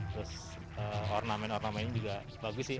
terus ornamen ornamen juga bagus sih